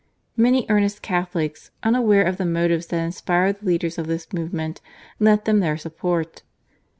Many earnest Catholics unaware of the motives that inspired the leaders of this movement lent them their support.